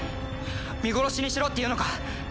見殺しにしろっていうのか？